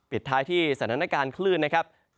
ปิดท้ายที่สถานการณ์คลื่นนะครับ